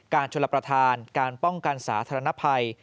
ชลประธานการป้องกันสาธารณภัย